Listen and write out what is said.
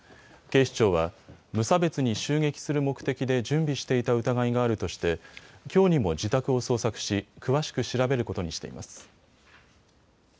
警視庁は無差別に襲撃する目的で準備していた疑いがあるとしてきょうにも自宅を捜索し、詳しく調べることにしています。